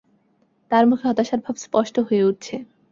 তাঁর মুখে হতাশার ভাব স্পষ্ট হয়ে উঠছে।